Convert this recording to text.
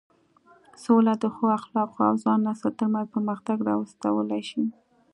سوله د ښو اخلاقو او ځوان نسل تر منځ پرمختګ راوستلی شي.